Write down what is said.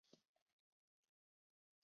温岑堡是德国下萨克森州的一个市镇。